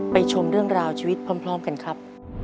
ชมเรื่องราวชีวิตพร้อมกันครับ